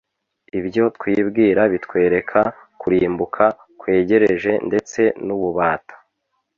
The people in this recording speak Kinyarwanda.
ibyo twibwira bitwereka kurimbuka kwegereje ndetse n’ububata